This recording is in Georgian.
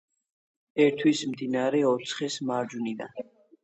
ერთვის მდინარე ოცხეს მარჯვნიდან.